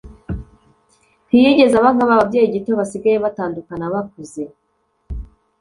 Ntiyigeze aba nka ba babyeyi gito basigaye batandukana bakuze,